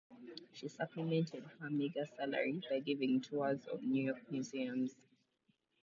She supplemented her meagre salary by giving tours of New York museums.